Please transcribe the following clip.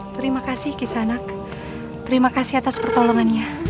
terima kasih kisanak terima kasih atas pertolongannya